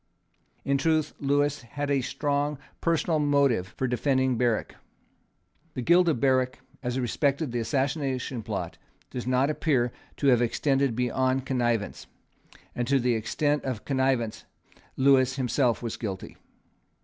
In truth Lewis had a strong personal motive for defending Berwick. The guilt of Berwick as respected the Assassination Plot does not appear to have extended beyond connivance; and to the extent of connivance Lewis himself was guilty.